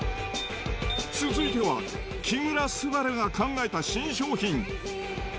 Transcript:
続いては、木村昴が考えた新商品。